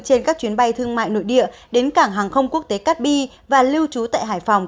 trên các chuyến bay thương mại nội địa đến cảng hàng không quốc tế cát bi và lưu trú tại hải phòng